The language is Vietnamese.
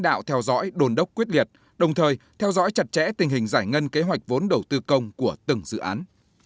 truyền thông tin đồng thời theo dõi chặt chẽ tình hình giải ngân kế hoạch vốn đầu tư công của từng dự án